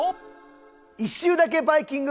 一周だけバイキング！！